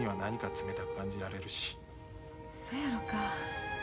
そやろか。